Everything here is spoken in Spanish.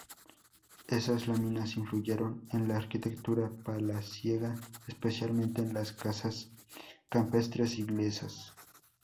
Esas láminas influyeron en la arquitectura palaciega, especialmente en las casas campestres inglesas.